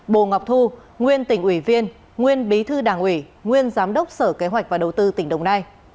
bồ ngọc thu nguyên tỉnh ủy viên nguyên bí thư đảng ủy nguyên giám đốc sở kế hoạch và đầu tư tỉnh đồng nai